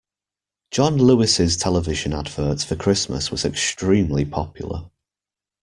John Lewis’s television advert for Christmas was extremely popular